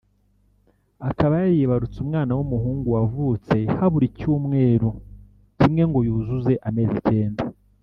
akaba yaribarutse umwana w’umuhungu wavutse habura icyumeru kimwe ngo yuzuze amezi icyenda